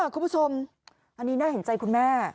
คุณผู้ชมอันนี้น่าเห็นใจคุณแม่